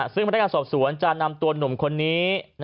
ซึ่งพนักงานสอบสวนจะนำตัวหนุ่มคนนี้